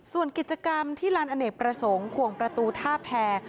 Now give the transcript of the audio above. ส่วนกิจกรรมที่ลานอเนกประสงค์ขวงประตูท่าแพร